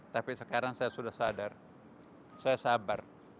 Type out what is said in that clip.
tapi sekarang saya sudah sadar saya sabar